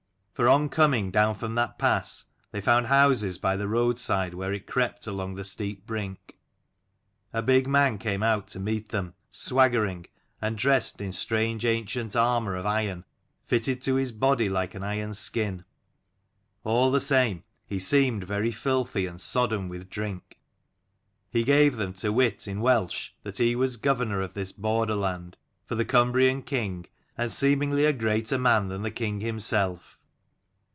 For on coming down from that pass, they found houses by the roadside where it crept along the steep brink. A big man came out to meet them, swaggering, and dressed in strange ancient armour of iron fitted to his body like an iron skin. All the same he seemed very filthy, and sodden with drink. He gave them to wit in Welsh that he was governor of this border land for the Cumbrian king, and seemingly a greater man than the king himself.